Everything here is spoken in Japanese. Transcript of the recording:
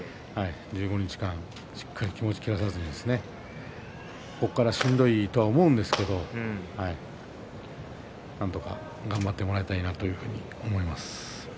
１５日間しっかり気持ちを切らさずにここからしんどいと思うんですがなんとか頑張ってもらいたいなと思います。